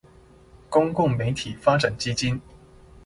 公共媒體發展基金